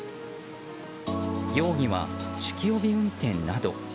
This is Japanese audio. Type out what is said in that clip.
容疑は酒気帯び運転など。